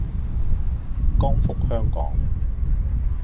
光復香港